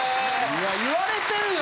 ・言われてるよ